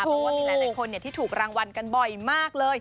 เพราะว่ามีหลายคนที่ถูกรางวัลกันบ่อยมากเลย